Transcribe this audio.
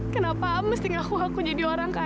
kenapa a'a mesti ngaku aku jadi orang kaya